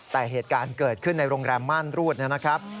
แต่เหตุการณ์เกิดขึ้นในโรงแรมม่านรูดนะครับ